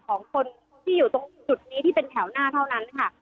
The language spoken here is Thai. ของคนที่อยู่ตรงจุดนี้ที่เป็นแถวหน้าเท่านั้นค่ะ